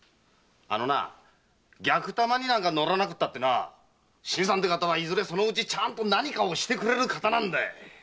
あのな「逆玉」になんか乗らなくても新さんて方はいずれちゃんと何かをしてくれる方なんだよ！